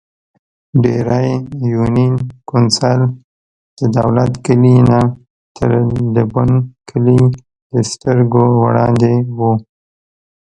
ډېرۍ يونېن کونسل ددولت کلي نه تر د بڼ کلي دسترګو وړاندې وو ـ